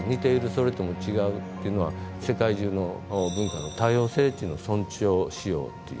それとも違う？」っていうのは世界中の文化の多様性っていうのを尊重しようっていう。